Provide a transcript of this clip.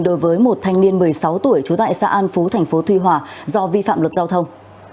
đối với một thanh niên một mươi sáu tuổi trú tại xã an phú tp thuy hòa do vi phạm luật giao thông